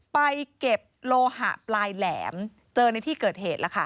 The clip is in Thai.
ไปเก็บโลหะปลายแหลมเจอในที่เกิดเหตุ